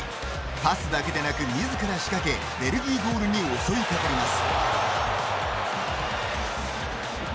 パスだけでなく自ら仕掛けベルギーゴールに襲い掛かります。